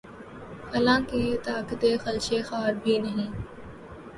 حال آنکہ طاقتِ خلشِ خار بھی نہیں